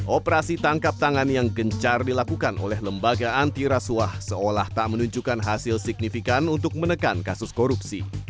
operasi tangkap tangan yang gencar dilakukan oleh lembaga antirasuah seolah tak menunjukkan hasil signifikan untuk menekan kasus korupsi